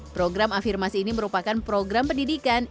program afirmasi ini merupakan program pendidikan